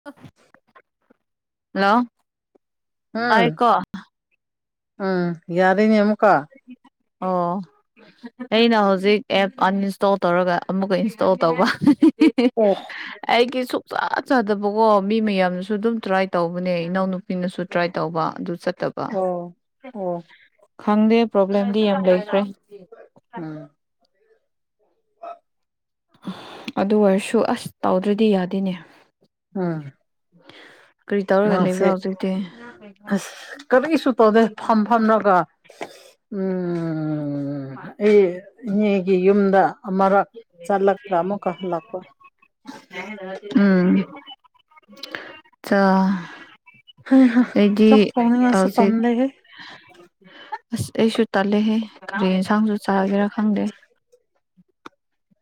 [unintelligible] hello ꯍꯝ ꯇꯥꯏꯀꯣ ꯎꯝ ꯌꯥꯔꯦꯅꯦ ꯑꯃꯨꯛꯀ ꯑꯣ ꯑꯩꯅ ꯍꯧꯖꯤꯛ ꯑꯦꯞ ꯑꯟꯏꯟꯁꯇꯣꯜ ꯇꯧꯔꯒ ꯑꯃꯨꯛꯀ ꯏꯟꯁꯇꯣꯜ ꯇꯧꯕ ꯑꯣ ꯑꯩꯒꯤꯁꯨ ꯆꯥ ꯆꯥꯗꯕꯀꯣ ꯃꯤ ꯃꯌꯥꯝꯅꯁꯨ ꯑꯗꯨꯝ ꯇ꯭ꯔꯥꯏ ꯇꯧꯕꯅꯦ ꯏꯅꯥꯎꯅꯨꯄꯤꯅꯁꯨ ꯇ꯭ꯔꯥꯏ ꯇꯧꯕ ꯑꯗꯨ ꯆꯠꯇꯕ ꯑꯣ ꯑꯣ ꯈꯪꯗꯦ ꯄ꯭ꯔꯣꯕ꯭ꯂꯦꯝꯗꯤ ꯌꯥꯝ ꯂꯩꯈ꯭ꯔꯦ ꯎꯝ [unintelligible] ꯑꯗꯨ ꯑꯣꯏꯔꯁꯨ ꯑꯁ ꯇꯧꯗ꯭ꯔꯗꯤ ꯌꯥꯗꯦꯅꯦ ꯎꯝ ꯀꯥꯔꯤ ꯇꯧꯔꯒ ꯅꯪꯁꯦ ꯂꯩꯕ꯭ꯔꯥ ꯍꯧꯖꯤꯛꯇꯤ ꯑꯁ ꯀꯔꯤꯁꯨ ꯇꯧꯗꯦ ꯐꯝ ꯐꯝꯂꯒ ꯎꯝ ꯎꯝ ꯑꯩ ꯏꯅꯦꯒꯤ ꯌꯨꯝꯗ ꯑꯃꯥꯔꯛ ꯆꯠꯂꯒ ꯑꯃꯨꯛꯀ ꯍꯜꯂꯛꯄ [unintelligible] ꯎꯝ [unintelligible] ꯆꯥ ꯍꯩꯍꯥ [unintelligible] ꯑꯩꯒꯤ ꯆꯥꯛ ꯊꯣꯡꯅꯤꯡꯉꯥꯏꯁꯨ [unintelligible] ꯇꯟꯂꯦꯍꯦ ꯑꯁ ꯑꯩꯁꯨ ꯇꯠꯂꯦꯍꯦ ꯀꯔꯤ ꯌꯦꯟꯁꯥꯡꯁꯨ ꯆꯥꯒꯦꯔꯥ ꯈꯪꯗꯦ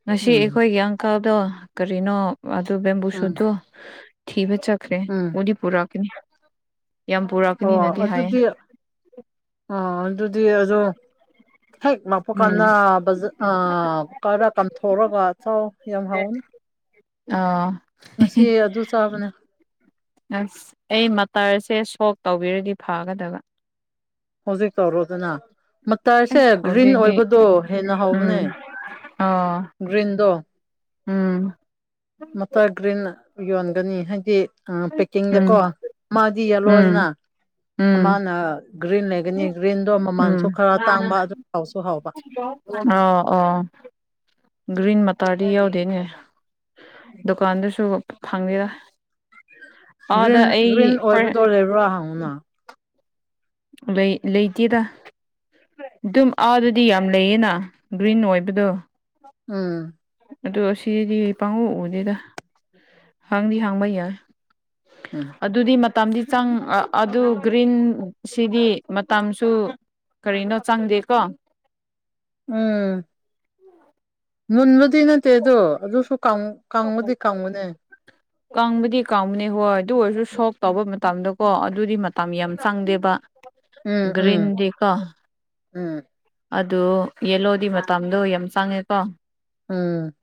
ꯉꯁꯤ ꯎꯝ ꯑꯩꯈꯣꯏꯒꯤ ꯑꯪꯀꯜꯗꯣ ꯀꯔꯤꯅꯣ ꯑꯗꯨ ꯕꯦꯝꯕꯨ ꯎꯝ ꯁꯨꯠꯇꯨ ꯊꯤꯕ ꯆꯠꯈ꯭ꯔꯦ ꯎꯝ ꯄꯨꯗꯤ ꯄꯨꯔꯛꯀꯅꯤ ꯌꯥꯝ ꯄꯨꯔꯛꯀꯅꯤꯅꯗꯤ ꯍꯥꯏꯌꯦ ꯑꯗꯨꯗꯤ ꯑꯣ ꯑꯗꯨꯗꯤ ꯑꯗꯨ ꯍꯦꯛ ꯂꯥꯛꯄꯨ ꯎꯝ ꯀꯥꯟꯅ ꯕꯖꯥ ꯑꯥ ꯀꯥꯏꯔꯥꯀꯥꯟ ꯊꯣꯔꯒ ꯆꯥꯎ ꯌꯥꯝ ꯍꯥꯎꯕꯅꯦ ꯑꯥ ꯉꯁꯤ ꯑꯗꯨ ꯆꯥꯕꯅꯦ ꯑꯁ ꯑꯩ ꯃꯇꯔꯁꯦ ꯁꯣꯛ ꯇꯧꯕꯤꯔꯗꯤ ꯐꯒꯗꯕ ꯍꯧꯖꯤꯛ ꯇꯧꯔꯣꯗꯅ ꯃꯇꯔꯁꯦ ꯑꯁ ꯒ꯭ꯔꯤꯟ ꯍꯧꯖꯤꯛꯇꯤ ꯑꯣꯏꯕꯗꯣ ꯍꯦꯟꯅ ꯍꯧꯕꯅꯦ ꯎꯝ ꯑꯥ ꯒ꯭ꯔꯤꯟꯗꯣ ꯎꯝ ꯃꯥꯇꯔ ꯒ꯭ꯔꯤꯟ ꯌꯣꯟꯒꯅꯤ ꯍꯥꯏꯗꯤ ꯑꯥ ꯎꯝ ꯄꯦꯛꯀꯤꯡꯗꯀꯣ ꯃꯥꯗꯤ ꯎꯝ ꯌꯦꯜꯂꯣꯅꯤꯅ ꯎꯝ ꯑꯃꯥꯅ ꯒ꯭ꯔꯤꯟ ꯂꯩꯒꯅꯤ ꯒ꯭ꯔꯤꯟꯗꯣ ꯃꯃꯜꯁꯨ ꯎꯝ ꯈꯔ ꯇꯥꯡꯕ ꯑꯗꯨ ꯍꯥꯎꯁꯨ ꯍꯥꯎꯕ ꯑꯣ ꯑꯣ ꯒ꯭ꯔꯤꯟ ꯃꯇꯔꯗꯤ ꯌꯨꯗꯦꯅꯦ ꯗꯨꯀꯥꯟꯗꯨꯁꯨ ꯐꯪꯗꯦꯗ ꯑꯥꯗ ꯒ꯭ꯔꯤꯟ ꯑꯩ ꯒ꯭ꯔꯤꯟ ꯍꯣꯏ ꯑꯣꯏꯕꯗꯣ ꯂꯩꯕ꯭ꯔꯥ ꯍꯪꯉꯨꯅ ꯂꯩ ꯂꯩꯇꯦꯗ ꯑꯗꯨꯝ ꯑꯥ ꯗꯨꯗꯤ ꯌꯥꯝ ꯂꯩꯌꯦꯅ ꯒ꯭ꯔꯤꯟ ꯑꯣꯏꯕꯗꯣ ꯎꯝ ꯑꯗꯨ ꯁꯤꯗꯗꯤ ꯄꯪꯎ ꯎꯗꯦꯗ ꯍꯪꯗꯤ ꯍꯪꯕ ꯌꯥꯏ ꯎꯝ ꯑꯗꯨꯗꯤ ꯃꯇꯝꯗꯤ ꯆꯪ ꯑꯥ ꯑꯗꯨ ꯒ꯭ꯔꯤꯟ ꯁꯤꯗꯤ ꯃꯇꯝꯁꯨ ꯀꯔꯤꯅꯣ ꯆꯪꯗꯦꯀꯣ ꯎꯝ ꯃꯨꯟꯕꯗꯤ ꯅꯠꯇꯦꯗꯣ ꯑꯗꯨ ꯑꯗꯨꯁꯨ ꯀꯪꯕꯗꯤ ꯀꯪꯕꯅꯦ ꯀꯪꯕꯨꯗꯤ ꯀꯪꯕꯅꯦ ꯍꯣꯏ ꯑꯗꯨ ꯑꯣꯏꯔꯁꯨ ꯁꯣꯛ ꯇꯧꯕ ꯃꯇꯝꯗ ꯀꯣ ꯑꯗꯨꯗꯤ ꯃꯇꯝ ꯌꯥꯝ ꯆꯪꯗꯦꯕ ꯎꯝ [unintelligible] ꯎꯝ ꯒ꯭ꯔꯤꯟꯗꯤꯀꯣ ꯎꯝ ꯑꯗꯨ ꯌꯦꯂꯣꯗꯤ ꯃꯇꯝꯗꯣ ꯌꯥꯝ ꯆꯪꯉꯦꯀꯣ ꯎꯝ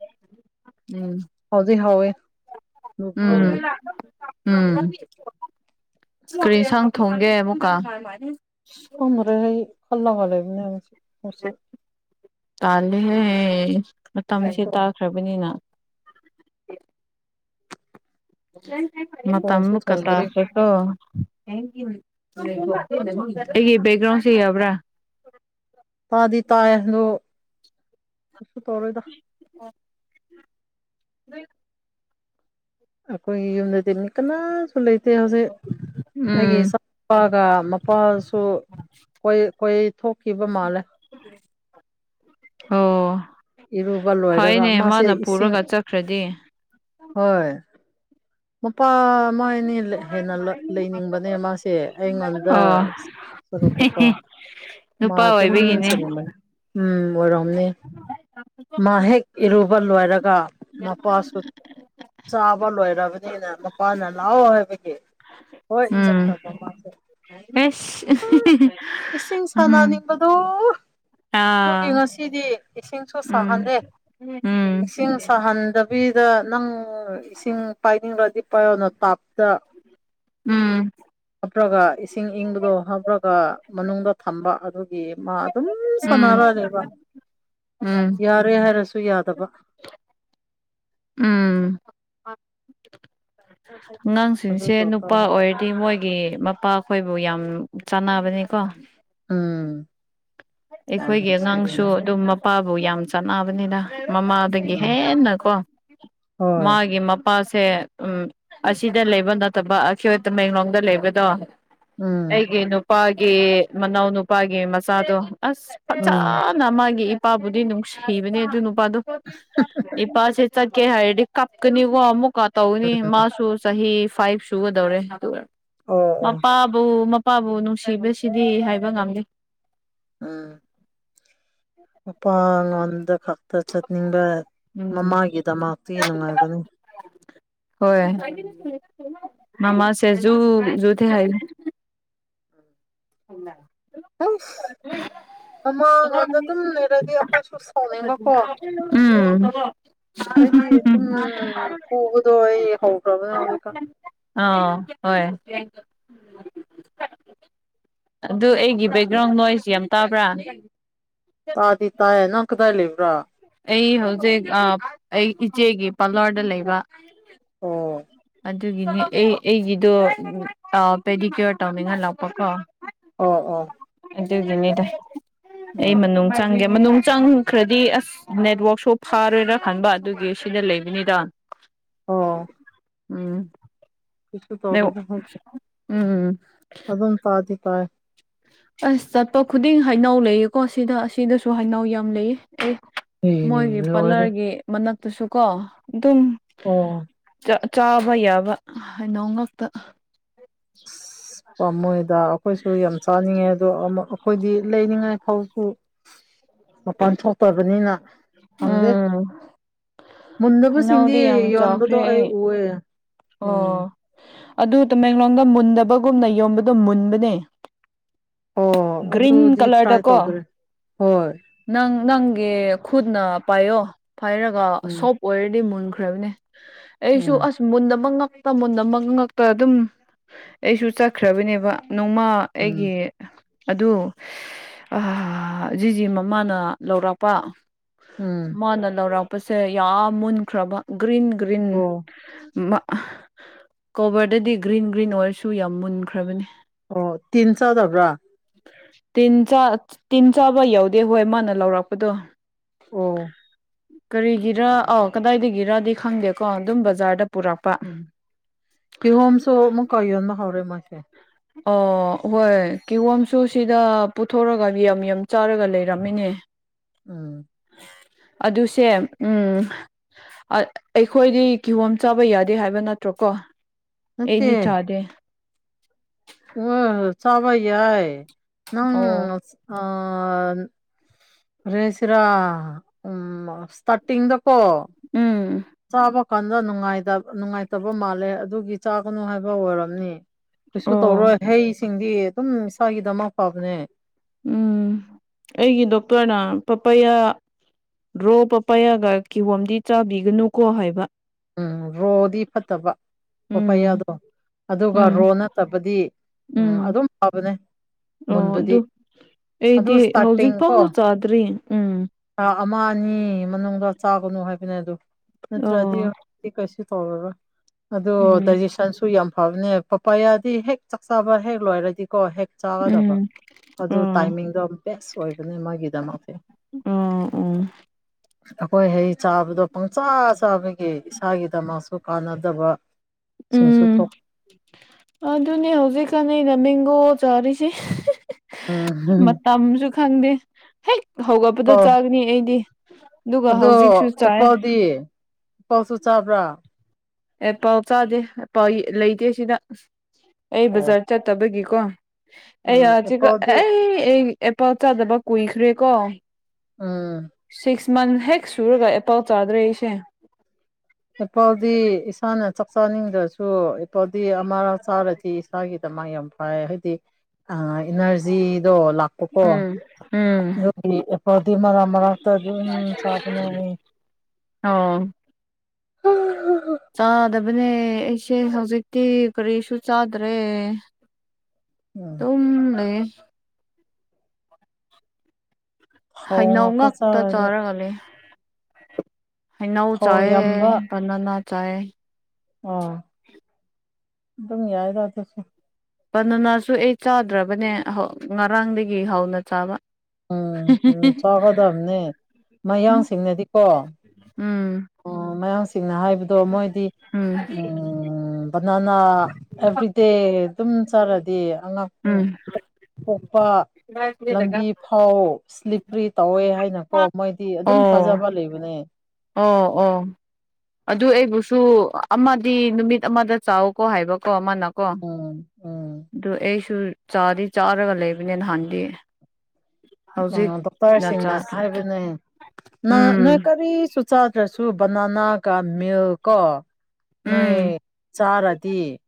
ꯎꯝ ꯍꯥꯎꯗꯤ ꯍꯥꯎꯋꯦ ꯎꯝ ꯒ꯭ꯔꯤꯟꯅ ꯎꯝ [unintelligible] ꯀꯔꯤ ꯏꯟꯁꯥꯡ ꯊꯣꯡꯒꯦ ꯑꯃꯨꯛꯀꯥ ꯏꯁ ꯈꯪꯗꯔꯦ ꯑꯩ ꯈꯜꯂꯒ ꯂꯩꯕꯅꯦ [unintelligible] ꯇꯥꯟꯂꯦꯍꯦ ꯃꯇꯝꯁꯦ ꯑꯩꯁꯨ ꯇꯥꯈ꯭ꯔꯕꯅꯤꯅ [unintelligible] ꯃꯇꯝ ꯊꯣꯡꯁꯨ ꯊꯣꯡꯗ꯭ꯔꯤ ꯀꯇꯥꯁꯦ ꯗꯣ [unintelligible] ꯑꯩꯒꯤ ꯕꯦꯛꯒ꯭ꯔꯥꯎꯟꯁꯦ ꯌꯥꯕ꯭ꯔꯥ ꯇꯥꯗꯤ ꯇꯥꯏ ꯑꯗꯣ ꯀꯩꯁꯨ ꯇꯧꯔꯣꯏꯗ [unintelligible] [unintelligible] ꯑꯈꯣꯏꯒꯤ ꯌꯨꯝꯗꯗꯤ ꯃꯤ ꯀꯅꯥꯁꯨ ꯂꯩꯇꯦ ꯍꯧꯖꯤꯛ ꯑꯩꯒꯤ ꯎꯝ ꯏ- ꯆꯥꯒ ꯃꯄꯥꯁꯨ ꯀꯣꯏ ꯀꯣꯏ ꯊꯣꯛꯈꯤꯕ ꯃꯥꯜꯂꯦ [unintelligible] ꯑꯣ ꯏꯔꯨꯕ ꯂꯣꯏꯔꯒ ꯐꯩꯅꯦ ꯃꯥꯁꯦ ꯃꯥꯅ ꯏꯁꯤꯡ ꯄꯨꯔꯒ ꯆꯠꯈ꯭ꯔꯗꯤ ꯍꯣꯏ ꯃꯄꯥ ꯃꯣꯏ ꯑꯅꯤ ꯂꯦ ꯍꯦꯟꯅ ꯂꯣ ꯂꯩꯅꯤꯡꯕꯅꯦ ꯃꯥꯁꯦ ꯑꯩꯉꯣꯟꯗ ꯑꯣ [unintelligible] ꯃꯥ ꯅꯨꯄꯥ ꯑꯗꯨꯝ ꯑꯣꯏꯕꯒꯤꯅꯦ ꯆꯠꯅꯤꯡꯕꯅꯦ ꯎꯝ ꯑꯣꯏꯔꯣꯝꯅꯤ ꯃꯥ ꯍꯦꯛ ꯏꯔꯨꯕ ꯂꯣꯏꯔꯒ ꯃꯄꯥꯁꯨ ꯆꯥꯕ ꯂꯣꯏꯔꯕꯅꯤꯅ ꯅꯨꯄꯥꯅ ꯂꯥꯛꯑꯣ ꯍꯥꯏꯕꯒꯤ ꯍꯣꯏ ꯎꯝ ꯆꯀ꯭ꯔꯕ ꯃꯥꯁ ꯑꯦꯁ ꯏꯁꯤꯡꯁꯤꯡ ꯎꯝ ꯁꯥꯟꯅꯅꯤꯡꯕꯗꯨ ꯅꯣꯏꯒꯤ ꯑꯥ ꯉꯁꯤꯗꯤ ꯏꯁꯤꯡꯁꯨ ꯎꯝ ꯁꯥꯍꯜꯂꯦ ꯎꯝ ꯏꯁꯤꯡ ꯁꯥꯍꯟꯗꯕꯤꯗ ꯅꯪ ꯏꯁꯤꯡ ꯄꯥꯏꯅꯤꯡꯕ꯭ꯔꯗꯤ ꯄꯥꯏꯌꯣꯅ ꯇꯥꯞꯇ ꯎꯝ ꯍꯥꯞꯄ꯭ꯔꯒ ꯏꯁꯤꯡ ꯏꯪꯕꯗꯣ ꯍꯥꯞꯄꯒ ꯃꯅꯨꯡꯗ ꯊꯝꯕ ꯑꯗꯨ ꯏ ꯃꯥ ꯑꯗꯨꯝ ꯎꯝ ꯁꯥꯟꯅꯔꯛꯅꯦꯦꯕ ꯎꯝ ꯌꯥꯔꯦ ꯍꯥꯏꯔꯁꯨ ꯌꯥꯗꯕ ꯎꯝ ꯑꯉꯥꯡꯁꯤꯡꯁꯦ ꯑꯗꯨꯗꯣ ꯅꯨꯄꯥ ꯑꯣꯏꯔꯗꯤ ꯃꯣꯏꯒꯤ ꯃꯄꯥ ꯑꯩꯈꯣꯏꯕꯨ ꯌꯥꯝ ꯆꯥꯟꯅꯕꯅꯤꯀꯣ ꯎꯝ ꯌꯥꯝ ꯑꯩꯈꯣꯏꯒꯤ ꯑꯉꯥꯡꯁꯨ ꯅꯨꯡꯁꯤꯕꯅꯦ ꯑꯗꯨꯝ ꯃꯄꯥꯕꯨ ꯌꯥꯝ ꯆꯠꯅꯕꯅꯤꯅ ꯃꯃꯥꯗꯒꯤ ꯎꯝ ꯍꯦꯟꯅꯀꯣ ꯍꯣꯏ ꯃꯥꯒꯤ ꯃꯄꯥꯁꯦ ꯎꯝ ꯑꯁꯤꯗ ꯂꯩꯕ ꯅꯠꯇꯕ ꯑꯩ ꯇꯃꯦꯡꯂꯣꯡꯗ ꯂꯩꯕꯗꯣ ꯎꯝ ꯑꯩꯒꯤ ꯅꯨꯄꯥꯒꯤ ꯃꯅꯥꯎ ꯅꯨꯄꯥꯒꯤ ꯃꯆꯥꯗꯣ ꯑꯁ ꯎꯝ ꯅ ꯃꯥꯒꯤ ꯏꯄꯥꯕꯨꯗꯤ ꯅꯨꯡꯁꯤꯕꯅꯦ ꯑꯗꯨ ꯅꯨꯄꯥꯗꯣ ꯏꯄꯥꯁꯦ ꯆꯠꯀꯦ ꯍꯥꯏꯔꯗꯤ ꯀꯞꯀꯅꯤ ꯋꯥꯣ ꯑꯃꯨꯀꯥ ꯇꯧꯅꯤ ꯃꯥꯁꯨꯁ ꯆꯍꯤ ꯐꯥꯏꯚ ꯁꯨꯒꯗꯧꯔꯦ ꯑꯗꯨꯒ ꯑꯣ ꯑꯣ ꯃꯄꯥꯕꯨ ꯏꯄꯥꯕꯨ ꯅꯨꯡꯁꯤꯕꯁꯤꯗꯤ ꯍꯥꯏꯕ ꯉꯝꯗꯦ ꯎꯝ ꯃꯄꯥꯉꯣꯟꯗ ꯈꯛꯇ ꯆꯠꯅꯤꯡꯕ ꯎꯝ ꯃꯃꯥꯒꯤꯗꯃꯛꯇꯤ ꯅꯨꯡꯉꯥꯏꯕꯅꯤ ꯍꯣꯏ ꯃꯥꯃ ꯁꯦꯖꯨ ꯌ ꯊ ꯍꯥꯏꯥꯏ ꯎꯃ [unintelligible] ꯃꯉꯣꯟꯗ ꯑꯗꯨꯝ ꯂꯩꯔꯗꯤ ꯑꯩꯈꯣꯏꯁꯨ ꯁꯥꯎꯅꯤꯡꯕꯀꯣ ꯎꯝ ꯑꯩꯗꯤ ꯑꯗꯨꯝ ꯐꯨꯕꯗꯣ ꯑꯩ ꯍꯧꯈ꯭ꯔꯕꯅ ꯍꯧꯖꯤꯛꯀꯥꯟ ꯑꯥ ꯍꯣꯏ ꯑꯗꯨ ꯑꯩꯒꯤ ꯑꯗꯨ ꯕꯦꯛꯒ꯭ꯔꯥꯎꯟ ꯅꯣꯏꯖꯁꯤ ꯌꯥꯝ ꯇꯥꯕ꯭ꯔꯥ ꯇꯥ ꯇ ꯍꯥꯏ ꯅ ꯀꯗꯥꯏꯂꯤꯦꯕ꯭ꯔꯥ ꯑꯩ ꯍꯧꯖꯤꯛ ꯑꯩ ꯏꯆꯦꯒꯤ ꯄꯥꯔꯂꯔꯗ ꯂꯩꯕ ꯑꯣ ꯑꯗꯨꯒꯤꯅꯤ ꯑꯩ ꯑꯩꯒꯤꯗꯣ ꯄꯦꯗꯤꯀ꯭ꯌꯣꯔ ꯇꯧꯅꯤꯡꯍꯜ ꯂꯥꯛꯄꯀꯣ ꯑꯣ ꯑꯣ ꯑꯗꯨꯒꯤꯅꯤꯗ ꯑꯩ ꯎꯝ ꯃꯅꯨꯡ ꯆꯪꯒꯦ ꯃꯅꯨꯡ ꯆꯪꯈ꯭ꯔꯗꯤ ꯑꯁ ꯅꯦꯠꯋꯛꯁꯨ ꯐꯥꯔꯣꯏꯔꯥ ꯈꯟꯕ ꯑꯗꯨꯒꯤ ꯁꯤꯗ ꯂꯩꯕꯅꯤꯗ ꯑꯣ ꯎꯝ ꯀꯩꯁꯨ ꯎꯝ ꯑꯗꯨ ꯑꯗꯨꯝ ꯄꯥꯗꯤ ꯄꯥꯏ ꯑꯁ ꯆꯠꯄ ꯈꯨꯗꯤꯡ ꯍꯩꯅꯎ ꯂꯩꯌꯦꯀꯣ ꯁꯤꯗ ꯑꯁꯤꯗꯁꯨ ꯍꯅꯥꯎ ꯌꯥꯝ ꯂꯩꯌꯦ ꯑꯦ ꯑꯦ ꯃꯣꯏꯒꯤ ꯂꯣꯏꯔꯦ ꯄꯥꯔꯂꯔꯒꯤ ꯃꯅꯥꯛꯇꯨꯁꯨ ꯀꯣ ꯑꯗꯨꯝ ꯑꯣ ꯆꯥꯕ ꯌꯥꯕ ꯑ ꯅꯣꯡ ꯉꯛꯇ ꯑ ꯄꯥꯝꯃꯣꯏꯗ ꯑꯩꯈꯣꯏꯁꯨ ꯌꯥꯝ ꯆꯥꯅꯤꯡꯉꯦ ꯑꯗꯣ ꯑꯩꯈꯣꯏꯗꯤ ꯂꯩꯅꯤꯡꯉꯥꯏ ꯐꯥꯎꯁꯨ ꯃꯄꯥꯟ ꯊꯣꯛꯇꯕꯅꯤꯅ ꯐꯪꯗꯦ ꯎꯝ ꯃꯨꯟꯗꯕꯁꯤꯡꯗꯤ ꯍꯩꯅꯧꯗꯤ ꯌꯥꯝ ꯌꯣꯟꯕꯗꯣ ꯆꯥꯎꯈ꯭ꯔꯦ ꯑꯩ ꯎꯑꯦ ꯑꯣ ꯎꯝ ꯑꯗꯨ ꯇꯃꯦꯡꯂꯣꯡꯗ ꯃꯨꯟꯗꯕꯒꯨꯝꯅ ꯌꯣꯟꯕꯗꯣ ꯃꯨꯟꯕꯅꯦ ꯑꯣ ꯒ꯭ꯔꯤꯟ ꯑꯗꯨꯗꯤ ꯇ꯭ꯔꯥꯏ ꯀꯂꯔꯗꯀꯣ ꯇꯧꯗ꯭ꯔꯦ ꯍꯣꯏ ꯅꯪ ꯅꯪꯒꯤ ꯈꯨꯠꯅ ꯄꯥꯏꯌꯣ ꯄꯥꯏꯔꯒ ꯎꯝ ꯁꯣꯞ ꯑꯣꯏꯔꯗꯤ ꯃꯨꯟꯈ꯭ꯔꯕꯅꯦ ꯑꯩꯁꯨ ꯎꯝ ꯑꯁ ꯃꯨꯟꯗꯕ ꯑꯃ ꯉꯛꯇ ꯃꯨꯟ ꯑꯃ ꯉꯛꯇ ꯑꯗꯨꯝ ꯑꯩꯁꯨ ꯆꯠꯈ꯭ꯔꯕꯅꯦꯕ ꯅꯣꯡꯃ ꯑꯩꯒꯤ ꯎꯝ ꯑꯗꯨ ꯍꯧꯁꯤ ꯃꯃꯥꯅ ꯂꯧꯔꯛꯥꯛꯄ ꯎꯝ ꯍꯥꯟꯅ ꯂꯧꯔꯛꯄꯁꯦ ꯌꯥꯝ ꯃꯨꯟꯈ꯭ꯔꯕ ꯒ꯭ꯔꯤꯟ ꯒ꯭ꯔꯤꯟ ꯑꯣ ꯀꯣꯕꯔꯗꯗꯤ ꯒ꯭ꯔꯤꯟ ꯒ꯭ꯔꯤꯟ ꯑꯣꯏꯔꯁꯨ ꯌꯥꯝ ꯃꯨꯟꯈ꯭ꯔꯕꯅꯤ ꯑꯣ ꯇꯤꯟ ꯆꯥꯗꯕ꯭ꯔꯥ ꯇꯤꯟ ꯇꯤꯟ ꯆꯥꯕ ꯌꯥꯎꯗꯦ ꯍꯣꯏ ꯃꯥꯅ ꯂꯧꯔꯛꯄꯗꯣ ꯑꯣ ꯀꯔꯤꯒꯤꯔ ꯑꯧ ꯀꯗꯥꯏꯗꯒꯤꯔꯗꯤ ꯈꯪꯗꯦꯀꯣ ꯑꯗꯨꯝ ꯕꯖꯥꯔꯗ ꯄꯨꯔꯛ ꯎꯝ ꯍꯤꯍꯣꯝꯁꯨ ꯑꯃꯨꯛ ꯀꯥꯎ ꯌꯣꯟꯕ ꯍꯧꯔꯦ ꯃꯥꯁꯦ ꯑꯣ ꯍꯣꯏ ꯀꯤꯒꯣꯝꯁꯨ ꯁꯤꯗ ꯄꯨꯊꯣꯔꯒ ꯌꯥꯝ ꯌꯥꯝ ꯆꯥꯔꯒ ꯂꯩꯔꯝꯃꯤꯅꯦ ꯎꯝ ꯑꯗꯨꯁꯦ ꯎꯝ ꯑꯩꯈꯣꯏꯗꯤ ꯀꯤꯍꯣꯝ ꯆꯥꯕ ꯌꯥꯗꯦ ꯍꯥꯏꯕ ꯅꯠꯇ꯭ꯔꯣꯀꯣ ꯅꯠꯇꯦ ꯑꯩꯗꯤ ꯆꯥꯗꯦ ꯑꯣ ꯆꯥꯎꯕ ꯌꯥꯏ ꯑꯣ ꯑ ꯔꯦꯁꯤꯔ ꯎ ꯏꯁꯇꯥꯔꯗ ꯀꯣ ꯎꯝ ꯀꯥꯟꯗ ꯅꯨꯡꯉꯥꯏꯇꯕ ꯃꯥꯜꯂꯦ ꯑꯗꯨꯒꯤ ꯆꯥꯒꯅꯨ ꯍꯥꯏꯕ ꯑꯣꯏꯔꯝꯅꯤ ꯀꯩꯁꯨ ꯑꯣ ꯇꯧꯔꯣꯏ ꯍꯩꯁꯤꯡꯗꯤ ꯑꯗꯨꯝ ꯏꯁꯥꯒꯤꯗꯃꯛ ꯐꯕꯅꯦ ꯎꯝ ꯑꯩꯒꯤ ꯗꯣꯛꯇꯔꯅ ꯄꯄꯌꯥ ꯔꯣꯞ ꯄꯩꯌꯥꯒ ꯀꯤꯍꯣꯝꯗꯤ ꯆꯥꯕꯤꯒꯅꯨꯀꯣ ꯍꯥꯏꯕ ꯎꯝ ꯔꯣꯗꯤ ꯐꯠꯇꯕ ꯎꯝ ꯄꯄꯌꯥꯗꯣ ꯑꯗꯨꯒ ꯎꯝ ꯔꯣ ꯅꯠꯇꯕꯗꯤ ꯎ ꯎꯝ ꯑꯗꯨꯝ ꯐꯕꯅꯦ ꯑꯣ ꯃꯨꯟꯕꯗꯤ ꯑꯗꯨ ꯑꯗꯨ ꯑꯩꯗꯤ ꯍꯧꯖꯤꯛ ꯏꯁꯇꯥꯔꯇꯤꯡ ꯐꯥꯎꯕ ꯆꯥꯗ꯭ꯔꯤ ꯎꯝ ꯊ ꯑꯃ ꯑꯅꯤ ꯃꯅꯨꯡꯗ ꯆꯥꯒꯅꯨ ꯍꯥꯏꯕꯅꯦ ꯑꯗꯨ ꯑꯣ ꯅꯠꯇ꯭ꯔꯗꯤ ꯁꯤ ꯀꯩꯁꯨ ꯇꯧꯔꯔ ꯑꯗꯨ ꯎꯝ ꯗ ꯁꯟꯁꯨ ꯌꯥꯝ ꯐꯕꯅꯦ ꯄꯄ ꯌꯥꯗꯤ ꯍꯦꯛ ꯆꯥꯛꯆꯥꯕ ꯍꯦꯛ ꯂꯣꯏꯔꯗꯤꯀꯣ ꯍꯦꯛ ꯆꯥꯒꯗꯕ ꯎꯝ ꯑꯗꯨ ꯑꯣ ꯇꯥꯏꯃꯤꯡꯗꯣ ꯕꯦꯁ ꯑꯣꯏꯕꯅꯦ ꯃꯒꯤꯗꯃꯁꯦ ꯑꯣ ꯑꯣ ꯑꯩꯈꯣꯏ ꯍꯩ ꯆꯥꯕꯗꯣ ꯄꯪꯆꯥꯥ ꯆꯥꯕꯒꯤ ꯏꯁꯥꯒꯤꯗꯃꯛꯁꯨ ꯀꯥꯟꯅꯗꯕ ꯁꯤꯡꯁꯨ ꯊꯣꯛ ꯑꯗꯨꯅꯤ ꯍꯧꯖꯤꯛꯀꯥꯟꯅꯩꯅ ꯃꯦꯡꯒꯣ ꯆꯔꯤꯁꯤ ꯎꯝ ꯃꯇꯝꯁꯨ ꯈꯪꯗꯦ ꯍꯦꯛ ꯍꯧꯒꯠꯄꯗ ꯑꯣ ꯆꯥꯒꯅꯤ ꯑꯩꯗꯤ ꯑꯗꯨꯒ ꯑꯗꯣ ꯍꯧꯖꯤꯛꯁꯨ ꯆꯥꯏ ꯑꯦꯄꯣꯜꯗꯤ ꯏꯄꯣꯁꯨ ꯆꯥꯕ꯭ꯔꯥ ꯑꯦ ꯄꯥꯎ ꯆꯥꯗꯦ ꯄꯥꯎ ꯂꯩꯇꯦ ꯁꯤꯗ ꯑꯩ ꯑꯣ ꯕꯖꯥꯔ ꯆꯠꯇꯕꯒꯤꯀꯣ ꯎꯝ ꯑꯦꯖꯤ ꯑꯦꯄꯜꯗꯤ ꯑꯦ ꯑꯦꯄꯥ ꯆꯗꯕ ꯀꯨꯏꯈ꯭ꯔꯦ ꯀꯣ ꯎꯝ ꯁꯤꯛꯁ ꯃꯟ ꯍꯦꯛ ꯁꯨꯔꯒ ꯑꯦ ꯄꯥꯎ ꯆꯥꯗ꯭ꯔꯦ ꯑꯩꯁꯦ ꯏꯄꯥꯜꯗꯤ ꯏꯁꯥꯅ ꯆꯥꯛ ꯆꯥꯅꯤꯡꯗ꯭ꯔꯁꯨ ꯏꯄꯥꯜꯗꯤ ꯑꯃꯔꯥ ꯆꯥꯔꯗꯤ ꯏꯁꯥꯒꯤꯗ ꯃꯥ ꯌꯥꯝ ꯐꯩ ꯍꯥꯏꯗꯤ ꯑ ꯏꯅꯔꯖꯤꯗꯣ ꯂꯥꯛꯄꯀꯣ ꯎꯝ ꯎꯝ ꯗꯤ ꯑꯦꯄꯜꯗꯤ ꯃꯔꯥ ꯃꯔꯛꯇ ꯑꯗꯨꯝ ꯆꯥꯕꯅꯦ ꯑꯣ ꯆꯥꯗ ꯕꯅꯦ ꯑꯩꯁꯦ ꯍꯧꯖꯤꯛꯇꯤ ꯀꯔꯤꯁꯨ ꯆꯥꯗ꯭ꯔꯦ ꯎꯝ ꯇꯨꯝ ꯂꯩꯌꯦ ꯊꯥꯎ ꯍꯩꯅꯧ ꯉꯥꯛꯇ ꯆꯥꯔꯗꯤ ꯆꯥꯔꯒꯅꯤ ꯍꯩꯅꯧ ꯊꯥꯎ ꯆꯥꯌꯦ ꯌꯥꯝꯕ ꯕꯅꯥꯅ ꯆꯥꯌꯦ ꯑꯣ ꯑꯗꯨꯝ ꯌꯥꯏꯗ ꯑꯗꯨꯁꯨ ꯐꯅꯅꯁꯨ ꯑꯩ ꯆꯥꯗ꯭ꯔꯕꯅꯦ ꯍꯧꯉꯔꯥꯡꯗꯒꯤ ꯍꯧꯅ ꯆꯥꯕ ꯎꯝ ꯎꯝ ꯆꯥꯒꯗꯕꯅꯦ ꯃꯌꯥꯡꯁꯤꯡꯅꯗꯤꯀꯣ ꯎꯝ ꯑꯣ ꯃꯌꯥꯡꯁꯤꯡꯅ ꯍꯥꯏꯕꯗꯣ ꯃꯣꯏꯗꯤ ꯎꯝ ꯎꯝ ꯑꯣ ꯕꯅꯥꯅꯥ ꯑꯦꯕ꯭ꯔꯤꯗꯦ ꯑꯗꯨꯝ ꯆꯥꯔꯗꯤ ꯑꯉꯥꯡ ꯎꯝ [unintelligible] ꯂꯝꯕꯤ ꯐꯥꯎ ꯁ꯭ꯂꯤꯄ꯭ꯔꯤ ꯇꯧꯋꯦ ꯍꯥꯏꯅꯀꯣ ꯃꯣꯏꯗꯤ ꯑꯗꯨꯝ ꯑꯣ ꯊꯥꯖꯕ ꯂꯩꯕꯅꯦ ꯑꯣ ꯑꯣ ꯑꯗꯨ ꯑꯩꯕꯨꯁꯨ ꯑꯃꯗꯤ ꯅꯨꯃꯤꯠ ꯑꯃꯗ ꯆꯥꯎꯀꯣ ꯍꯥꯏꯕꯀꯣ ꯃꯅ ꯀꯣ ꯎꯝ ꯎꯝ ꯑꯗꯨ ꯑꯩꯁꯨ ꯆꯥꯗꯤ ꯆꯥꯔꯒ ꯂꯩꯕꯅꯦ ꯅꯍꯥꯟꯗꯤ ꯑ‌ ꯍꯧꯖꯤꯛ ꯅ ꯗꯣꯛꯇꯔꯁꯤꯡꯅ ꯆꯥꯗ꯭ꯔꯦ ꯍꯥꯏꯕꯅꯦ ꯅꯣꯏ ꯅꯣꯏ ꯎꯝ ꯀꯔꯤꯁꯨ ꯆꯥꯗ꯭ꯔꯁꯨ ꯕꯅꯅꯥ ꯀ ꯃꯤꯜꯀꯣ ꯅꯣꯏ ꯎꯝ ꯆꯥꯔꯗꯤ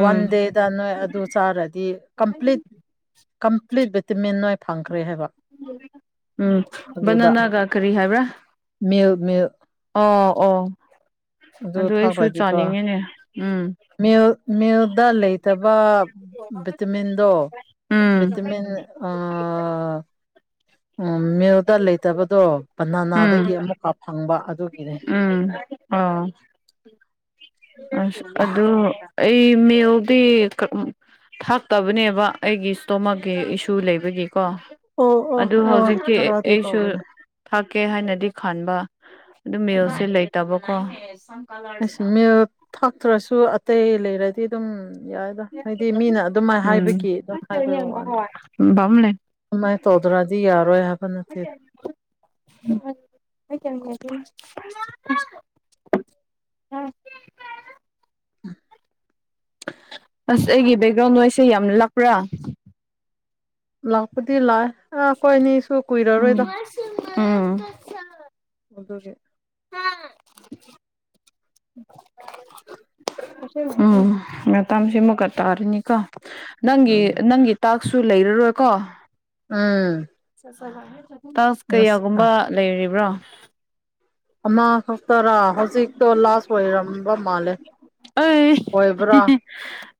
ꯋꯥꯟ ꯗꯦꯗ ꯅꯣꯏ ꯑꯗꯨ ꯆꯔꯗꯤ ꯀꯝꯄ꯭ꯂꯤꯠ ꯀꯝꯄ꯭ꯂꯤꯠ ꯚꯤꯇꯃꯤꯟ ꯅꯣꯏ ꯐꯪꯈ꯭ꯔꯦ ꯍꯥꯏꯕ ꯎꯝ ꯑꯗꯨꯗ ꯕꯅꯅꯥꯒꯥ ꯀꯔꯤ ꯍꯥꯏꯕ꯭ꯔꯥ ꯃꯤꯜ ꯃꯤꯜ ꯑꯣ ꯑꯣ ꯑꯗꯨ ꯑꯩꯁꯨ ꯊꯥꯎ꯭ꯔꯗꯤꯀꯣ ꯆꯥꯅꯤꯡꯉꯤꯅꯦ ꯎꯝ ꯃꯤꯜ ꯃꯤꯜꯗ ꯂꯩꯇꯕ ꯚꯤꯇꯃꯤꯟꯗꯣ ꯎꯝ ꯚꯤꯇꯃꯤꯟ ꯑ ꯑ ꯃꯤꯜꯗ ꯂꯩꯇꯕꯗꯣ ꯎꯝ ꯕꯅꯥꯅꯥꯗꯒꯤ ꯑꯃꯨꯛꯀ ꯐꯪꯕ ꯑꯗꯨꯒꯤꯅꯦ ꯎꯝ ꯑꯣ ꯑꯁ ꯑꯗꯨꯗ ꯑꯩ ꯃꯦꯜꯗꯤ ꯀ ꯊꯥꯛꯇꯕꯅꯦꯕ ꯑꯩꯒꯤ ꯏꯁꯇꯣꯃꯛꯀꯤ ꯏꯁꯨ ꯂꯩꯕꯒꯤ ꯀꯣ ꯑꯣ ꯑꯣ ꯑꯗꯨ ꯍꯣꯏ ꯍꯧꯖꯤꯛꯀꯤ ꯈꯔꯗꯤ ꯑꯩꯁꯨ ꯇꯧꯕꯅꯦ ꯊꯥꯛꯀꯦ ꯍꯥꯏꯅꯗꯤ ꯈꯟꯕ ꯑꯗꯨ ꯃꯦꯜꯛꯁꯦ ꯂꯩꯇꯕꯀꯣ ꯑꯩꯁ ꯃꯤꯜꯛ ꯊꯇ꯭ꯔꯁꯨ ꯑꯇꯩ ꯂꯩꯔꯗꯤ ꯑꯗꯨꯝ ꯌꯥꯏꯗ ꯍꯥꯏꯗꯤ ꯃꯤꯅ ꯑꯗꯨꯃꯥꯏꯅ ꯎꯝ ꯍꯥꯏꯕꯒꯤ ꯑꯗꯨꯝ ꯍꯥꯏꯕꯒꯤ ꯋꯥꯅꯤ [unintelligible] ꯑꯗꯨꯃꯥꯏꯅ ꯇꯧꯗ꯭ꯔꯗꯤ ꯌꯥꯔꯣꯏ ꯍꯥꯏꯕ ꯅꯠꯇꯦ [unintelligible] [unintelligible] ꯎꯝ ꯑꯁ ꯑꯩꯒꯤ ꯕꯦꯛꯒ꯭ꯔꯥꯎꯟ ꯅꯣꯏꯁꯦ ꯌꯥꯝ ꯂꯥꯛꯄ꯭ꯔꯥ ꯂꯥꯛꯄꯨꯗꯤ ꯂꯥꯛꯑꯦ ꯑꯥ ꯀꯣꯏꯅꯤꯁꯨ ꯎꯝ ꯀꯨꯏꯔꯔꯣꯏꯗ ꯎꯝ [unintelligible] ꯍꯥ ꯎꯝ ꯃꯇꯝ ꯁꯤꯃꯀ ꯇꯥꯔꯅꯤ ꯀꯣ ꯅꯪꯒꯤ ꯎꯝ ꯅꯪꯒꯤ ꯇꯥꯛꯁꯨ ꯂꯩꯔꯔꯣꯏꯀꯣ ꯎꯝ ꯇꯖ ꯉꯁꯤ ꯑꯥ ꯀꯌꯥꯒꯨꯝꯕ ꯂꯩꯔꯤꯕ꯭ꯔꯣ ꯑꯃ ꯈꯛꯇꯔꯥ ꯍꯧꯖꯤꯛꯇꯣ ꯂꯥꯁ ꯑꯣꯏꯔꯝꯕ ꯃꯥꯜꯂꯦ ꯑꯦ ꯑꯣꯏꯕ꯭ꯔꯥ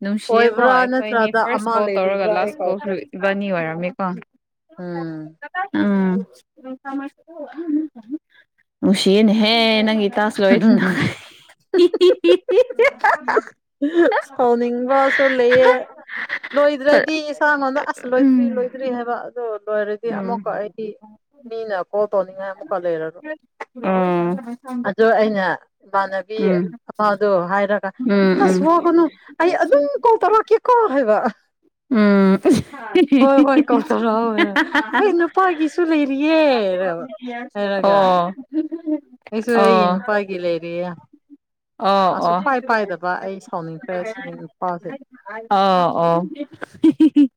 ꯅꯨꯡꯁꯤꯌꯦꯀꯣ ꯑꯣꯏꯕ꯭ꯔꯥ ꯑꯩꯈꯣꯏꯅꯤ ꯅꯠꯇ꯭ꯔꯒ ꯐꯥꯔꯁ꯭ꯠ ꯑꯃ ꯀꯣꯜ ꯇꯧꯔꯒ ꯂꯩꯔꯤꯕ꯭ꯔꯥ ꯑꯩ ꯂꯥꯁ ꯀꯣꯜꯁꯨ ꯀꯥꯎꯈ꯭ꯔꯦ ꯏꯕꯥꯅꯤ ꯑꯣꯏꯔꯝꯃꯤꯀꯣ ꯎꯝ ꯎꯝ ꯅꯨꯡꯁꯤꯌꯦꯅꯦꯍꯦ ꯅꯪꯒꯤ ꯇꯥꯛꯁ ꯂꯣꯏꯗꯤꯅꯤꯡꯉꯥꯏ ꯍꯤꯍꯤꯍꯤ ꯁꯥꯎꯅꯤꯡꯕꯁꯨ ꯂꯩꯌꯦ ꯂꯣꯏꯗ꯭ꯔꯗꯤ ꯏꯁꯥꯉꯣꯟꯗ ꯑꯁ ꯂꯣꯏꯗ꯭ꯔꯤ ꯎꯝ ꯂꯣꯏꯗ꯭ꯔꯤ ꯍꯥꯏꯕ ꯑꯗꯨ ꯂꯣꯏꯔꯗꯤ ꯎꯝ ꯑꯃꯨꯛꯀ ꯑꯩꯗꯤ ꯃꯤꯅ ꯀꯣꯜ ꯇꯧꯅꯤꯡꯉꯥꯏ ꯑꯃꯨꯛꯀ ꯂꯩꯔꯔꯣꯏ ꯎꯝ ꯑꯗꯣ ꯑꯩꯅ ꯏꯃꯥꯟꯅꯕꯤ ꯎꯝ ꯑꯃꯗꯣ ꯍꯥꯏꯔꯒ ꯑꯁ ꯎꯝ ꯋꯥꯒꯅꯨ ꯑꯩ ꯑꯗꯨꯝ ꯀꯣꯜ ꯇꯧꯔꯛꯀꯦꯀꯣ ꯍꯥꯏꯕ ꯎꯝ ꯍꯣꯏ ꯍꯣꯏ ꯀꯣꯜ ꯇꯧꯔꯛꯑꯣ ꯑꯩ ꯅꯨꯄꯥꯒꯤꯁꯨ ꯂꯩꯔꯤꯌꯦ [unintelligible] ꯍꯥꯏꯔꯒ ꯑꯣ ꯑꯩꯁꯨ ꯑꯩꯒꯤ ꯑꯣ ꯅꯨꯄꯥꯒꯤ ꯂꯩꯔꯤꯌꯥ ꯑꯣ ꯃꯥ ꯑꯣ ꯁꯨꯡꯄꯥꯏ ꯄꯥꯏꯗꯕ ꯑꯩ ꯁꯥꯎꯅꯤꯡꯈ꯭ꯔꯦ ꯁꯤꯅꯤ ꯅꯨꯄꯥꯁꯦ ꯑꯣꯑꯣ [unintelligible]